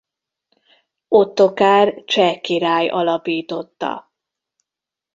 Ottokár cseh király alapította.